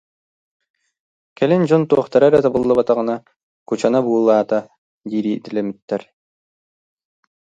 Кэлин дьон туохтара эрэ табыллыбатаҕына, «Кучана буулаата» диир идэлэммиттэр